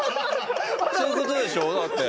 そういう事でしょ？だって。